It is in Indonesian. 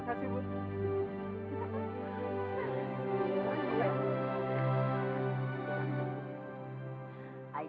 makasih makasih bu